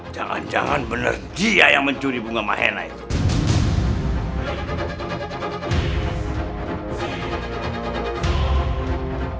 jangan jangan bener dia yang mencuri bunga mahena itu